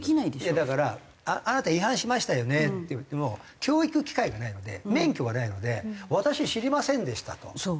いやだから「あなた違反しましたよね」って言っても教育機会がないので免許がないので「私知りませんでした」とこれをどうするか。